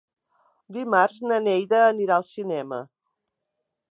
Dimarts na Neida anirà al cinema.